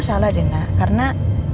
salah dena karena